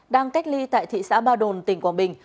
đang cách ly tại thị xã ba đồn tỉnh quảng bình